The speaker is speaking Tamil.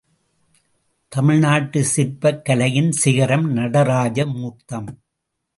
தமிழ்நாட்டுச் சிற்பக் கலையின் சிகரம் நடராஜ மூர்த்தம்.